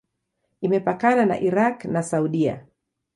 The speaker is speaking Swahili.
Imepakana na Irak na Saudia.